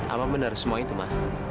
apa benar semua itu mah